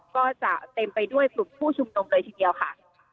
ก็จะเต็มไปด้วยกลุ่มผู้ชุมนุมเลยทีเดียวค่ะ